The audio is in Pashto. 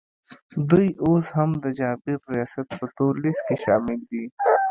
دوی اوس هم د جابر ریاست په تور لیست کي شامل دي